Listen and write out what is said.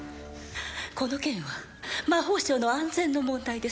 この件は魔法省の安全の問題です